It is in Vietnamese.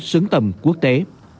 xứng tầm quốc tế